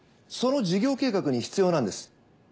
その事業計画に必要なんです。